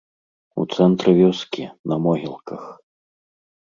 У цэнтры вёскі, на могілках.